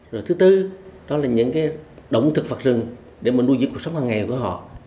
rồi thứ tư đó là những cái động thực vật rừng để mà nuôi dưỡng cuộc sống hàng ngày của họ